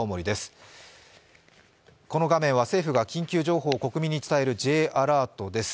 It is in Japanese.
この画面は政府が緊急情報を国民に知らせるＪアラートです。